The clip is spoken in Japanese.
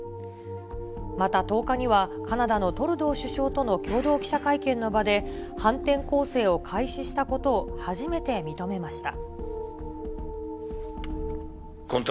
また１０日には、カナダのトルドー首相との共同記者会見の場で、反転攻勢を開始したことを初めて認めました。